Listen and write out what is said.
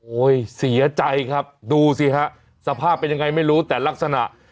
เสียใจครับดูสิฮะสภาพเป็นยังไงไม่รู้แต่ลักษณะ